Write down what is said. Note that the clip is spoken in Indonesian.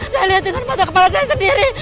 saya liat di mata kepala saya sendiri